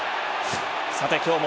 さて今日も。